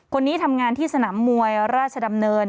คนนี้ทำงานที่สนามมวยราชดำเนิน